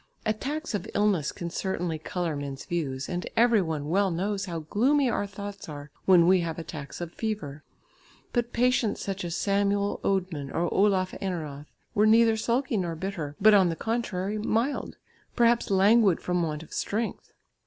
Attacks of illness can certainly colour men's views, and every one well knows how gloomy our thoughts are when we have attacks of fever. But patients such as Samuel Oedmann or Olaf Eneroth were neither sulky nor bitter, but, on the contrary, mild, perhaps languid from want of strength.